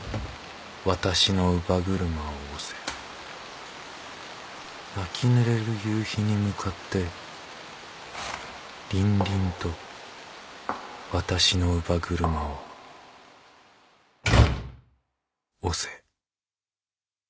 私の乳母車を押せ」「泣きぬれる夕陽にむかってりんりんと私の乳母車を押せ」